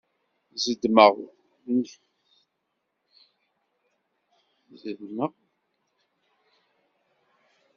Zedmeɣ nek d yemdukkal-inu.